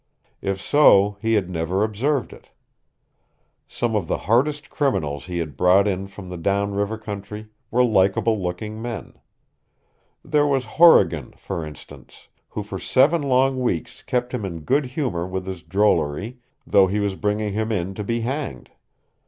If so, he had never observed it. Some of the hardest criminals he had brought in from the down river country were likable looking men. There was Horrigan, for instance, who for seven long weeks kept him in good humor with his drollery, though he was bringing him in to be hanged.